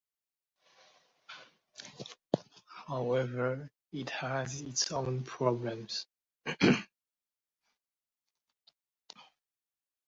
However, it has its own problems.